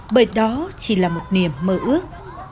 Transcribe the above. bởi đó chỉ là một niềm mơ ước